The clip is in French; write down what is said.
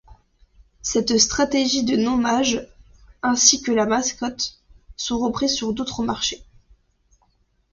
Cette stratégie de nommage, ainsi que la mascotte, sont reprises sur d'autres marchés.